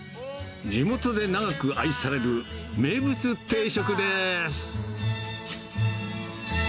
地元で長く愛される名物定食です。